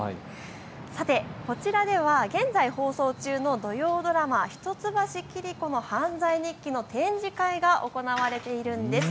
さてこちらでは現在放送中の土曜ドラマ、一橋桐子の犯罪日記の展示会が行われているんです。